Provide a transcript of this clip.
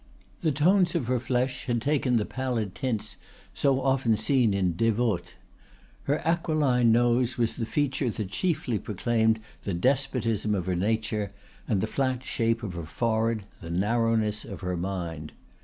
The tones of her flesh had taken the pallid tints so often seen in "devotes." Her aquiline nose was the feature that chiefly proclaimed the despotism of her nature, and the flat shape of her forehead the narrowness of her mind.